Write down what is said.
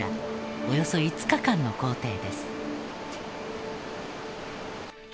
およそ５日間の行程です。